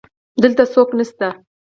دلته څوک نسته